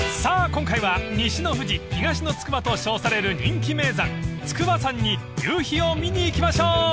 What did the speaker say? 今回は西の富士東の筑波と称される人気名山筑波山に夕日を見に行きましょう］